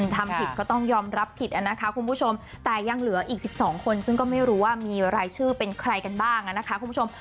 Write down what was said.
ทำผิดก็ต้องยอมรับผิดนะคะคุณผู้ชมแต่ยังเหลืออีก๑๒คนซึ่งก็ไม่รู้ว่ามีรายชื่อเป็นใครกันบ้างนะคะคุณผู้ชม